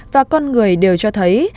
và con người đều cho thấy